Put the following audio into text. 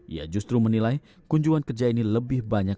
ia justru menilai kunjungan kerja ini lebih banyak